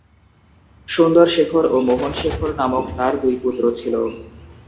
সুন্দর শেখর ও মোহন শেখর নামক তার দুই পুত্র ছিল।